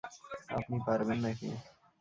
আপনি পারবেন নাকি?